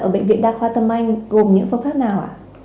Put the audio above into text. ở bệnh viện đa khoa tâm anh gồm những phương pháp nào ạ